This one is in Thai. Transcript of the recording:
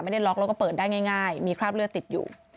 ได้ล็อกแล้วก็เปิดได้ง่ายมีคราบเลือดติดอยู่